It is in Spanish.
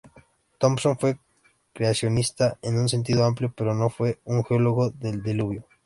Thomson fue creacionista en un sentido amplio, pero no fue un "geólogo del diluvio".